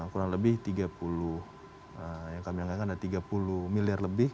kurang lebih tiga puluh yang kami angkatkan ada tiga puluh miliar lebih